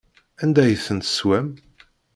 Anda ay ten-teswam?